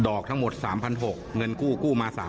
ดอกทั้งหมด๓๖๐๐บาทเงินกู้กู้มา๓๐๐๐บาท